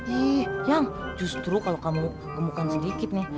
ih ayang justru kalau kamu gemukan sedikit nih